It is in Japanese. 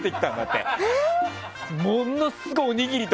ものすごいおにぎりと